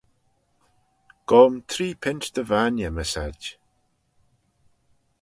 Goym tree pint dy vainney, my sailt.